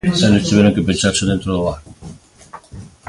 Eles tiveron que pecharse dentro do bar.